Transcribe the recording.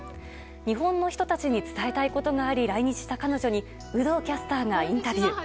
日本の人たちに伝えたいことがあり来日した彼女に有働キャスターがインタビュー。